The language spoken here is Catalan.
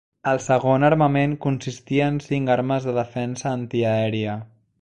El segon armament consistia en cinc armes de defensa antiaèria.